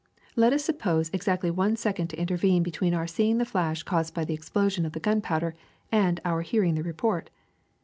^^Let us suppose exactly one second to intervene between our seeing the flash caused by the explosion of the gunpowder and our hearing the report.